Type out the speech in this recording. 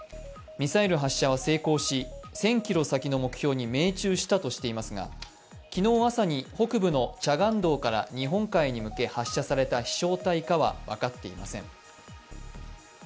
ミサイル発射は成功し、１０００ｋｍ先の目標に命中したとしていますが、昨日朝に北部のチャガンドから日本海に向け発射された飛翔体かは分かっていません。